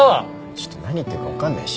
ちょっと何言ってるか分かんないし。